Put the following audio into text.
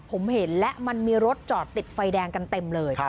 ผมเห็นและมันมีรถจอดติดไฟแดงกันเต็มเลย